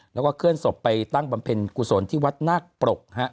แล้วก็เคลื่อนศพไปตั้งบำเพ็ญกุศลที่วัดนาคปรกฮะ